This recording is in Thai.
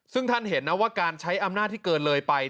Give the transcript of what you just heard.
ซึ่งท่านเห็นนะว่าการใช้อำนาจที่เกินเลยไป